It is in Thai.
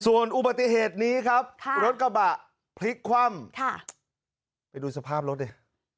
ส่วนอุบัติเหตุนี้ครับรถกระบะพลิกคว่ำไปดูสภาพรถดิ